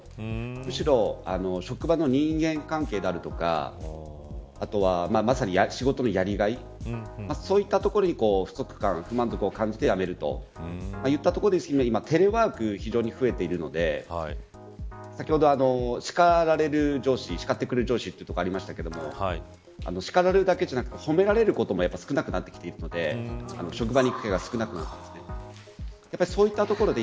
むしろ職場の人間関係であるとかあとは、まさに仕事のやりがいそういったところに不足感不満などを感じて辞めるといったところで今はテレワークが非常に増えているので先ほど、叱られる上司叱ってくれる上司ということがありましたが叱られるだけではなくて褒められることも少なくなってきているので職場の人間関係が少なくなってきて職場に行くことが少なくなっているんで